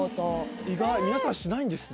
意外皆さんしないんですね？